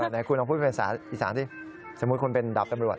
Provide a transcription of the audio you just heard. ไหนคุณลองพูดภาษาอีสานสิสมมุติคุณเป็นดาบตำรวจ